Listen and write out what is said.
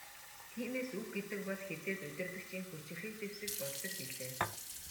Тиймээс үг гэдэг бол хэзээд удирдагчийн хүчирхэг зэвсэг болдог билээ.